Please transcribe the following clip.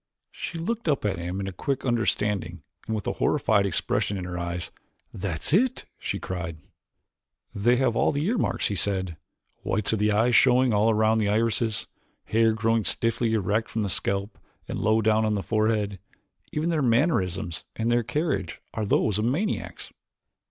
She looked up at him in quick understanding and with a horrified expression in her eyes. "That's it!" she cried. "They have all the earmarks," he said. "Whites of the eyes showing all around the irises, hair growing stiffly erect from the scalp and low down upon the forehead even their mannerisms and their carriage are those of maniacs."